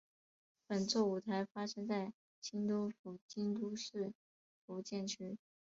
本作舞台发生在京都府京都市伏见区。